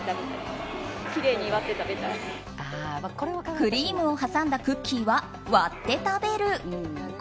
クリームを挟んだクッキーは割って食べる。